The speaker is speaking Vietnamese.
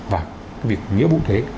và cái việc nghĩa vụ thế